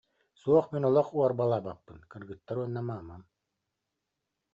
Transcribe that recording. Суох, мин олох уорбалаабаппын, кыргыттар уонна маамам